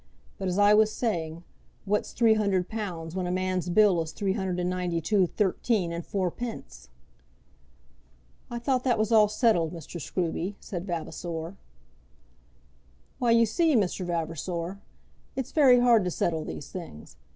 But as I was saying, what's three hundred pounds when a man's bill is three hundred and ninety two thirteen and fourpence?" "I thought that was all settled, Mr. Scruby," said Vavasor. "Why you see, Mr. Vavasor, it's very hard to settle these things.